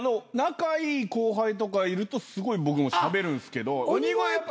仲いい後輩とかいるとすごい僕もしゃべるんすけど鬼越